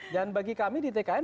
dan bagi kami di tkn